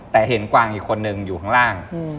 แต่เห็นกวางอีกคนนึงอยู่ข้างล่าง